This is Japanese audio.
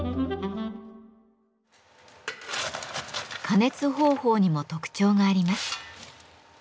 加熱方法にも特徴があります。